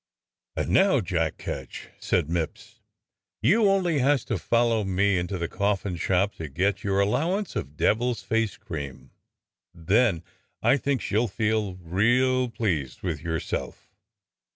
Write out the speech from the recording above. "And now. Jack Ketch," said Mipps, "you only has to follow me into the cofiin shop to get your allowance of devil's face cream, then I thinks you'll feel real pleased with yourself."